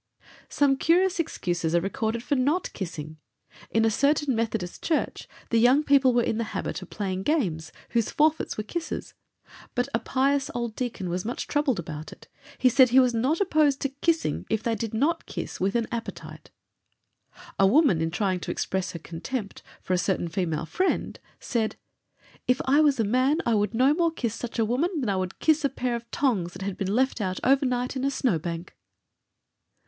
Some curious excuses are recorded for not kissing. In a certain Methodist church the young people were in the habit of playing games whose forfeits were kisses, but a pious old deacon was much troubled about it; he said he was not opposed to kissing if they did not kiss with "an appetite." A woman in trying to express her contempt for a certain female friend, said: "If I was a man I would no more kiss such a woman than I would kiss a pair of tongs that had been left out over night in a snow bank."